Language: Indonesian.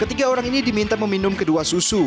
ketiga orang ini diminta meminum kedua susu